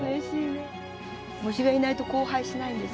虫がいないと交配しないんです。